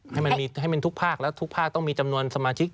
ให้มันมีให้มันทุกภาคแล้วทุกภาคต้องมีจำนวนสมาชิก